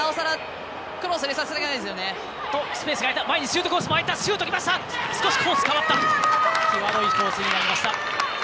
きわどいコースになりました。